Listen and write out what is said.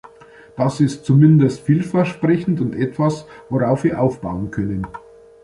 Das ist zumindest vielversprechend und etwas, worauf wir aufbauen können.